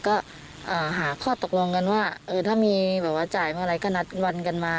ก็หาข้อตกลงกันว่าถ้ามีแบบว่าจ่ายเมื่อไหร่ก็นัดวันกันมา